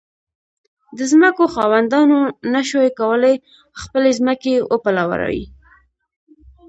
د ځمکو خاوندانو نه شوای کولای خپلې ځمکې وپلوري.